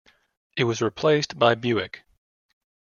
It was replaced by Buick.